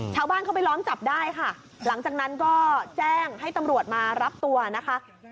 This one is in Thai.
ชาวบ้านเข้าไปล้อมจับได้ค่ะหลังจากนั้นก็แจ้งให้ตำรวจมารับตัวนะคะ